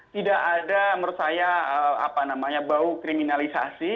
tidak ada menurut saya apa namanya bau kriminalisasi